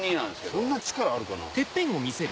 そんな力あるかな？